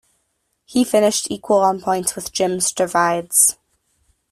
He finished equal on points with Jim Stavrides.